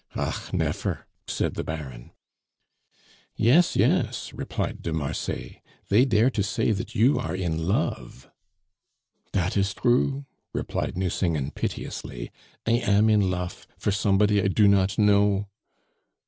"Ach, nefer!" said the Baron. "Yes, yes," replied de Marsay. "They dare to say that you are in love." "Dat is true," replied Nucingen piteously; "I am in lof for somebody I do not know."